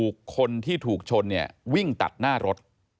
คนที่ถูกชนเนี่ยวิ่งตัดหน้ารถ